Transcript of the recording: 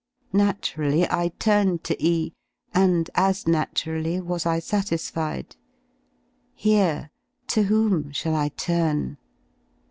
Naturally I turned to E , and as naturally was I satisfied. Here, to whom shall I turn?